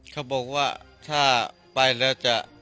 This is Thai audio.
เขาบอกว่าถ้าไปแล้วจะ